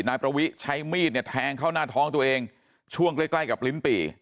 นายประวิใช้มีดเนี่ยแทงเข้าหน้าท้องตัวเองช่วงใกล้ใกล้กับลิ้นปี่